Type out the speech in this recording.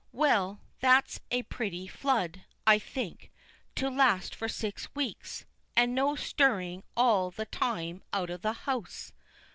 Well, that's a pretty flood, I think, to last for six weeks; and no stirring all the time out of the house.